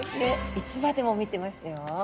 いつまでも見てましたよ。